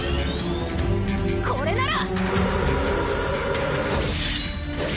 これなら！